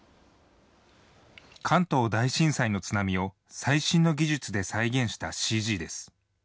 関東大震災の津波を最新の技術で再現したＣＧです。